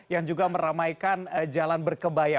yang juga meramaikan jalan berkebaya